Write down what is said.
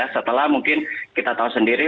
setelah mungkin kita tahu sendiri